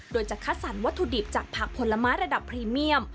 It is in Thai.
โดยจะคัดสรรวัตถุดิบจากผักผลไม้ระดับพรีเมียม